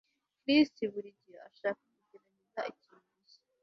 Chris buri gihe ashaka kugerageza ikintu gishya